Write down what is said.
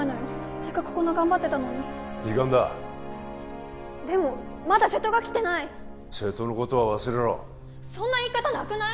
せっかくこんな頑張ってたのに時間だでもまだ瀬戸が来てない瀬戸のことは忘れろそんな言い方なくない？